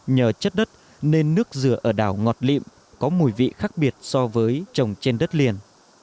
nhờ chất đất nên nước dừa ở đảo ngọt lịm có mùi vị khác biệt so với trồng trên đất liền